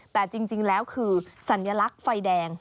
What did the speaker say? แต่จริงแล้วคือสัญลักษณ์ไฟแดง